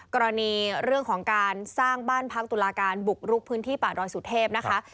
กรณีเรื่องของการสร้างบ้านพักตุลาการบุกรุกพื้นที่ป่าดอยสุเทพนะคะ